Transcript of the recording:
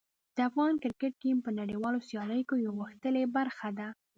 د افغان کرکټ ټیم په نړیوالو سیالیو کې یوه غښتلې برخه ده.